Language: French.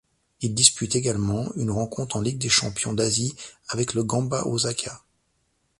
Il dispute également une rencontre en Ligue des champions d'Asie avec le Gamba Osaka.